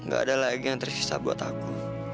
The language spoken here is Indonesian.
gak ada lagi yang tersisa buat aku